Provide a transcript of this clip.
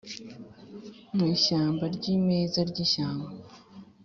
mu ishyamba ryimeza ryishyamba: